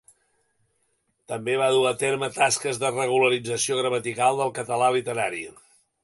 També va dur a terme tasques de regularització gramatical del català literari.